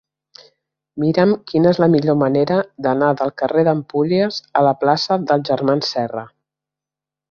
Mira'm quina és la millor manera d'anar del carrer d'Empúries a la plaça dels Germans Serra.